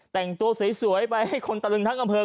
แต่งตัวสวยไปให้คนตรึงทั้งกำเผอก็ได้